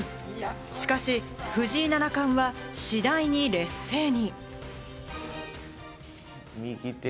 しかし、藤井七冠は次第に劣勢に。